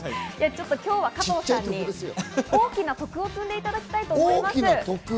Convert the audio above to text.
ちょっと今日は加藤さんに大きな徳を積んでいただきたいと思います。